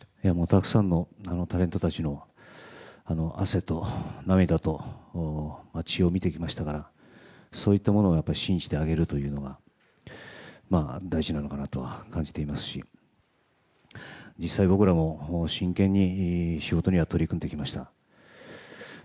たくさんのタレントたちの汗と涙と血を見てきましたからそういったものを信じてあげるというのは大事なのかなとは感じてますし実際、僕らも真剣に仕事には取り組んできました。